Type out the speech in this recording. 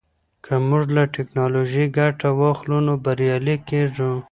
که موږ له ټیکنالوژۍ ګټه واخلو نو بریالي کیږو.